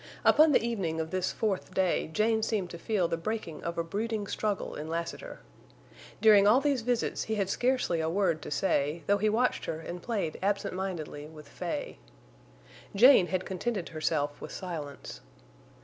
Upon the evening of this fourth day Jane seemed to feel the breaking of a brooding struggle in Lassiter. During all these visits he had scarcely a word to say, though he watched her and played absent mindedly with Fay. Jane had contented herself with silence.